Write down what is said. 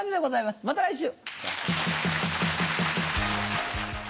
また来週！